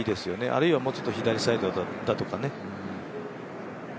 あるいはもうちょっと左サイドだとかね。